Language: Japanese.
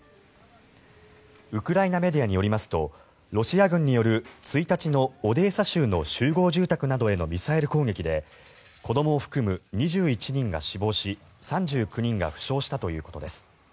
ウクライナメディアによりますとロシア軍による１日のオデーサ州の集合住宅などへのミサイル攻撃で子どもを含む２１人が死亡し３９人が負傷したということです。